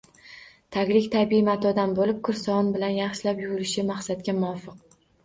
Taglik tabiiy matodan bo‘lib, kir sovun bilan yaxshilab yuvilishi maqsadga muvofiq.